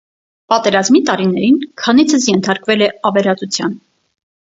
Պատերազմի տարիներին քանիցս ենթարկվել է ավերածության։